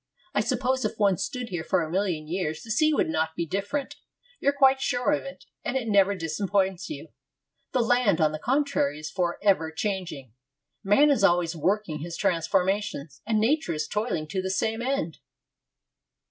I suppose if one stood here for a million years the sea would not be different. You're quite sure of it, and it never disappoints you.' The land, on the contrary, is for ever changing. Man is always working his transformations, and Nature is toiling to the same end.